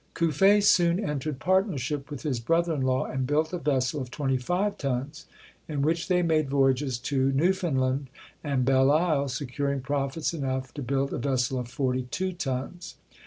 Cuffe soon entered partnership with his brother in law and built a vessel of twenty five tons, in which they made voyages to Newfound land and Belle Isle, securing profits enough to build a vessel of forty two tons.